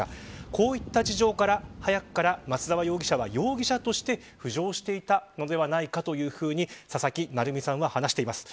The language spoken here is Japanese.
こういった事情から早くから松沢容疑者が容疑者として浮上していたのではないかというふうに佐々木成三さんは話しています。